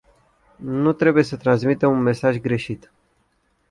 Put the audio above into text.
Nu trebuie să transmitem un mesaj greșit.